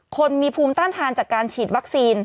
คนมีภูมิต้านทานจากการฉีดวัคซีน